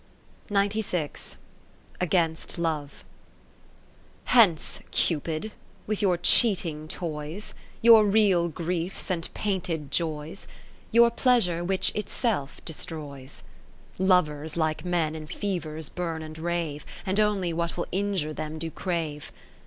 Against Love Hence, Cupid ! with your cheating toys, Your real Griefs, and painted Joys, Your Pleasure which itself destroys. Kath lertne Phi lip i^ Lovers like men in fevers burn and rave, And only what will injure them do crave.